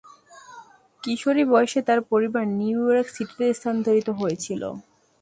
কিশোরী বয়সে তার পরিবার নিউ ইয়র্ক সিটিতে স্থানান্তরিত হয়েছিল।